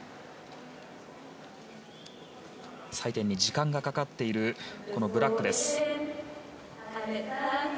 採点に時間がかかっているブラックです。